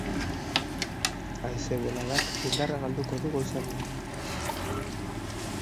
Haize boladak indarra galduko du goizaldean.